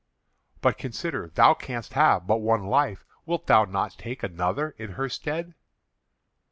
"But consider; thou canst have but one life. Wilt thou not take another in her stead?"